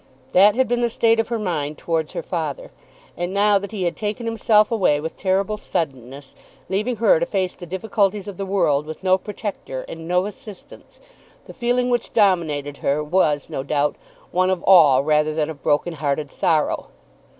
That had been the state of her mind towards her father; and now that he had taken himself away with terrible suddenness, leaving her to face the difficulties of the world with no protector and no assistance, the feeling which dominated her was no doubt one of awe rather than of broken hearted sorrow.